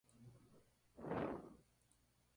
Protagonizada por Carmen Montejo y Manuel Garay.